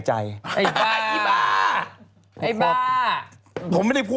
ไอ้บ้า